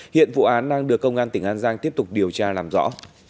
hiện vụ án đang được công an tỉnh an giang tiếp tục điều tra làm rõ